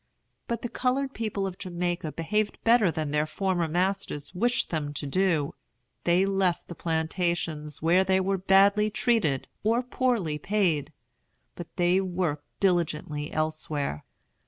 But the colored people of Jamaica behaved better than their former masters wished them to do. They left the plantations where they were badly treated, or poorly paid, but they worked diligently elsewhere.